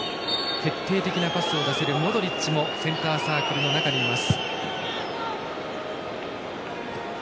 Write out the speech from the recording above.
決定的なパスを出せるモドリッチもセンターサークルの中にいます。